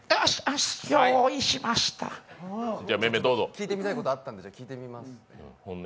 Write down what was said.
聞いてみたいことがあったんで、聞いてみます。